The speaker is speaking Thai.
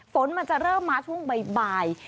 ฝนมันจะเริ่มมาช่วงบ่าย